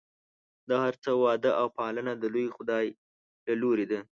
د هر څه وده او پالنه د لوی خدای له لورې ده.